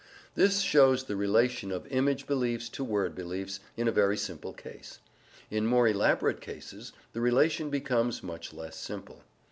This shows the relation of image beliefs to word beliefs in a very simple case. In more elaborate cases the relation becomes much less simple.